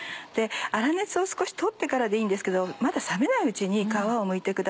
粗熱を少し取ってからでいいんですけどまだ冷めないうちに皮をむいてください。